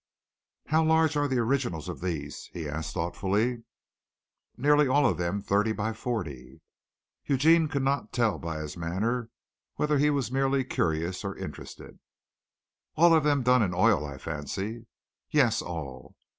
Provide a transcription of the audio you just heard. "How large are the originals of these?" he asked thoughtfully. "Nearly all of them thirty by forty." Eugene could not tell by his manner whether he were merely curious or interested. "All of them done in oil, I fancy." "Yes, all."